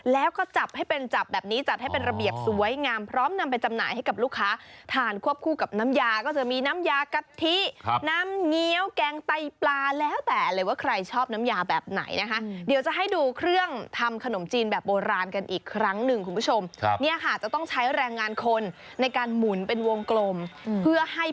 แล้วก็จับให้เป็นจับแบบนี้จัดให้เป็นระเบียบสวยงามพร้อมนำไปจำหน่ายให้กับลูกค้าทานควบคู่กับน้ำยาก็จะมีน้ำยากะทิน้ำเงี้ยวแกงไตปลาแล้วแต่เลยว่าใครชอบน้ำยาแบบไหนนะคะเดี๋ยวจะให้ดูเครื่องทำขนมจีนแบบโบราณกันอีกครั้งหนึ่งคุณผู้ชมครับเนี่ยค่ะจะต้องใช้แรงงานคนในการหมุนเป็นวงกลมเพื่อให้